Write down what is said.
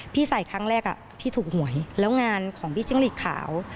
ใส่ครั้งแรกพี่ถูกหวยแล้วงานของพี่จิ้งหลีกขาว